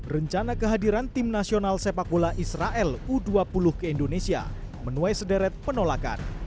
rencana kehadiran timnasional sepak bola israel u dua puluh ke indonesia menue sederet penolakan